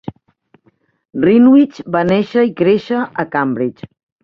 Renwick va néixer i créixer a Cambridge.